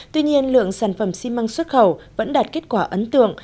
tuy nhiên lượng sản phẩm xi măng xuất khẩu vẫn đạt kết quả ấn tượng